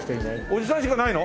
おじさんしかいないの？